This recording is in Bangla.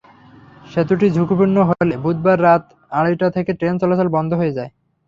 সেতুটি ঝুঁকিপূর্ণ হলে বুধবার রাত আড়াইটা থেকে ট্রেন চলাচল বন্ধ হয়ে যায়।